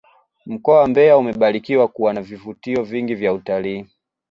mkoa wa mbeya umebarikiwa kuwa na vivutio vingi vya utalii